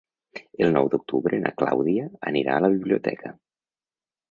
El nou d'octubre na Clàudia anirà a la biblioteca.